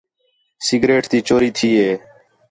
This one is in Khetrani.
سگریٹ تی چوری تھی ہِے